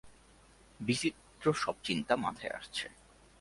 বিচিত্র সব চিন্তা মাথায় আসছে।